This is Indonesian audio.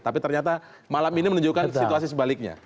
tapi ternyata malam ini menunjukkan situasi sebaliknya